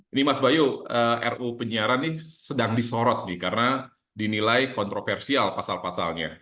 ini mas bayu ruu penyiaran ini sedang disorot nih karena dinilai kontroversial pasal pasalnya